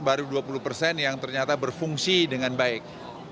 baru dua puluh persen yang ternyata berfungsi dengan baik